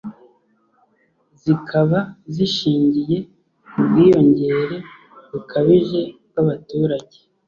zikaba zishingiye ku bwiyongere bukabije bw'abaturage,